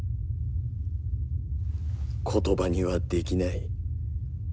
言葉にはできない。